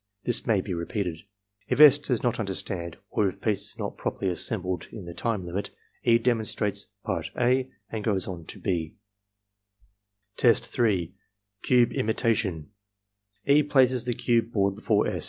This may be repeated. If S. does not understand, or if pieces are not properly assembled in the time limit, E. demonstrates part (a) and goes on to (6). Test 3. — Cube Imitation E. places the cube board before S.